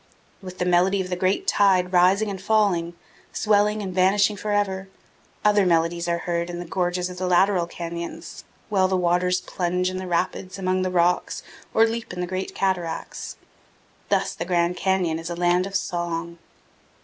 With the melody of the great tide rising and falling, swelling and vanishing forever, other melodies are heard in the gorges of the lateral canyons, while the waters plunge in the rapids among the rocks or leap in great cataracts. Thus the Grand Canyon, is a land of song.